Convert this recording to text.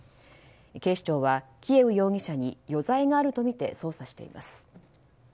警視庁はキエウ容疑者に余罪があるとみて捜査しています。